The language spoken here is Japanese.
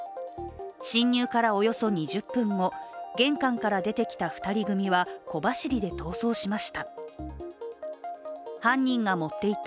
侵入からおよそ２０分後、玄関から出てきた２人組は小走りで逃走しました。